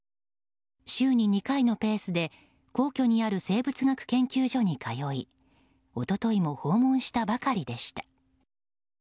週に２回のペースで皇居にある生物学研究所に通い一昨日も訪問したばかりでした。